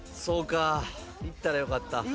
そうかいったらよかった。